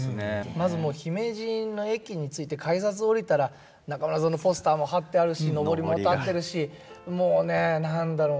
まずもう姫路の駅に着いて改札降りたら中村座のポスターも貼ってあるしのぼりも立ってるしもうね何だろう